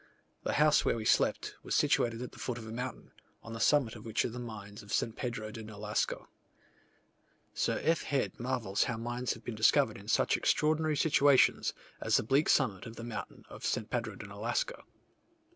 The house where we slept was situated at the foot of a mountain, on the summit of which are the mines of S. Pedro de Nolasko. Sir F. Head marvels how mines have been discovered in such extraordinary situations, as the bleak summit of the mountain of S. Pedro de Nolasko.